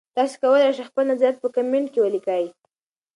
تاسي کولای شئ خپل نظریات په کمنټ کې ولیکئ.